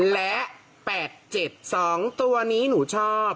และ๘๗๒ตัวนี้หนูชอบ